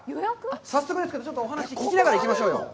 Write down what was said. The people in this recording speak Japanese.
早速ですけど、お話を聞きながら行きましょうよ。